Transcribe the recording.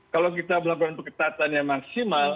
kalau kita melakukan pengetatan yang maksimal